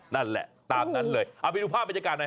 นั่นแหละตามนั้นเลยเอาไปดูภาพบรรยากาศหน่อย